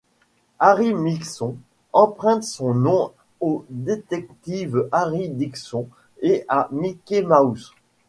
Harry Mickson emprunte son nom au détective Harry Dickson et à Mickey Mouse.